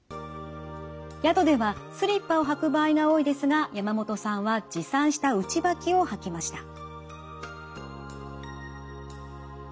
宿ではスリッパを履く場合が多いですが山本さんは持参した内履きを履きました。